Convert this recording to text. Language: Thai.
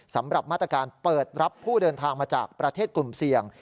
สำหรับมาตรการเปิดรับผู้เดินทางมาจากประเทศกลุ่มเสี่ยง